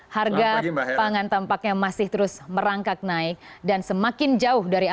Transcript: harga pangan tampaknya masih terus merangkak naik dan semakin jauh dari harga